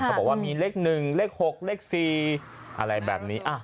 บอกว่ามีเลข๑เลข๖เลข๔อะไรแบบนี้